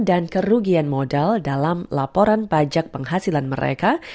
dan kerugian modal dalam laporan pajak penghasilan mereka